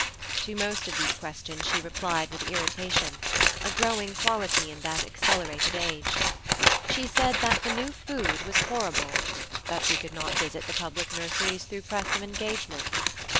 To most of these questions she replied with irritation a growing quality in that accelerated age. She said that the new food was horrible. That she could not visit the public nurseries through press of engagements.